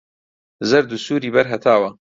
زەرد و سووری بەر هەتاوە